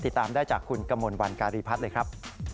ติดตามได้จากคุณกมลวันการีพัฒน์เลยครับ